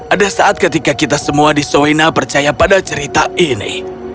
ada saat ketika kita semua di soina percaya pada cerita ini